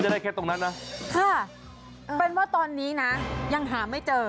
ได้แค่ตรงนั้นนะค่ะเป็นว่าตอนนี้นะยังหาไม่เจอ